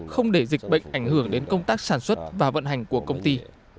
không để dịch bệnh ảnh hưởng đến công tác sản xuất và vận hành của công ty